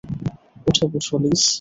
উঠে বসো, লিস।